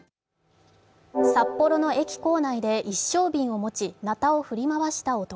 札幌の駅構内で一升瓶を持ちなたを振り回した男。